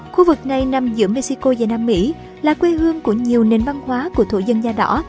khu vực này nằm giữa mexico và nam mỹ là quê hương của nhiều nền văn hóa của thổ dân da đỏ